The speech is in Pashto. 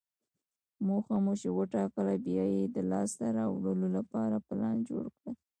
موخه مو چې وټاکله، بیا یې د لاسته راوړلو لپاره پلان جوړ کړئ.